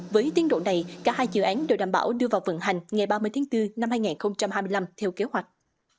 với tiến độ này cả hai dự án đều đảm bảo đưa vào vận hành ngày ba mươi tháng bốn năm hai nghìn hai mươi năm theo kế hoạch